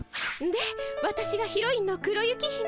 でわたしがヒロインの黒雪姫。